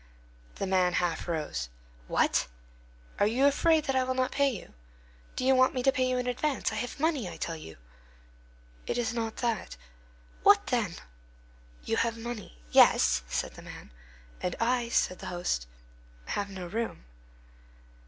The man half rose. "What! Are you afraid that I will not pay you? Do you want me to pay you in advance? I have money, I tell you." "It is not that." "What then?" "You have money—" "Yes," said the man. "And I," said the host, "have no room."